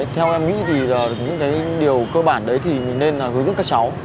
theo em nghĩ điều cơ bản đấy thì mình nên hướng dẫn các cháu